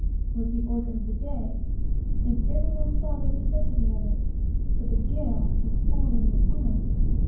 was the order of the day; and every one saw the necessity of it, for the gale was already upon us.